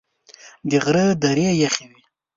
د غره درې یخي وې .